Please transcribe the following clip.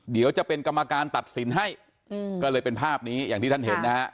เดี๋ยวจะเป็นกรรมการตัดสินให้ก็เลยเป็นภาพนี้อย่างที่ท่านเห็นนะฮะ